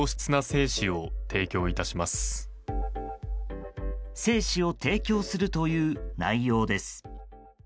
精子を提供するという内容です。